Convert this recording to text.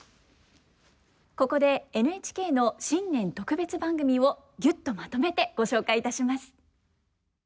ここでＮＨＫの新年特別番組をギュッとまとめてご紹介いたします。